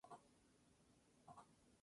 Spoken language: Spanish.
La una enriquece a la otra, creo.